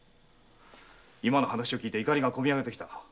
今の話をきき怒りが込み上げてきた。